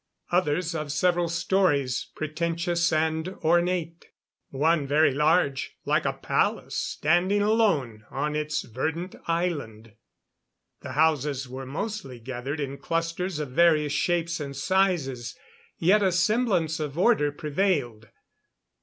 Others of several stories, pretentious and ornate. One very large, like a palace, standing alone on its verdant island. The houses were mostly gathered in clusters of various shapes and sizes. Yet a semblance of order prevailed.